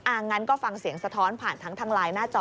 อ่างั้นก็ฟังเสียงสะท้อนผ่านทั้งลายหน้าจอ